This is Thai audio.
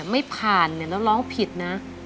ไม่ผ่านเนี่ยแล้วร้องผิดนะ